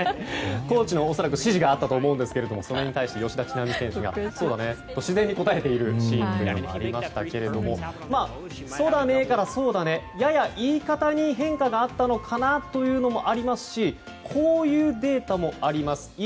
コーチの恐らく指示があったと思うんですがそれに対して吉田知那美選手がそうだねって自然に答えるシーンでしたがそだねーからそうだねやや言い方に変化があったのかなというのもありますしこういうデータもあります。